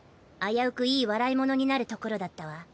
あやうくいい笑いものになるところだったわ。